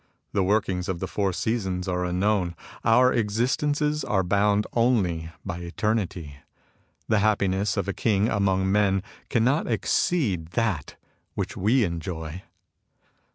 The workings of the four seasons are unknown. Our existences ETERNAL BLISS 85 are bounded only by eternity. The happiness of a king among men cannot exceed that which we enjoy."